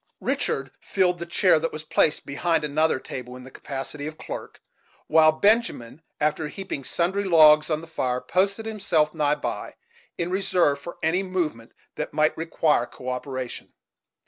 Richard filled the chair that was placed behind another table, in the capacity of clerk; while Benjamin, after heaping sundry logs on the fire, posted himself nigh by, in reserve for any movement that might require co operation.